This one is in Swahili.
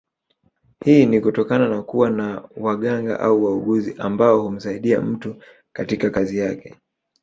Hii ni kutokana na kuwa na waganga au waaguzi ambao humsaidia katika kazi zake